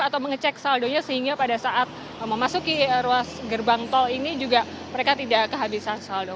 atau mengecek saldonya sehingga pada saat memasuki ruas gerbang tol ini juga mereka tidak kehabisan saldo